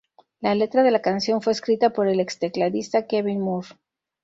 La letra de la canción fue escrita por el ex teclista Kevin Moore.